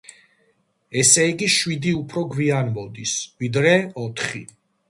ესე იგი შვიდი უფრო გვიან მოდის, ვიდრე ოთხი.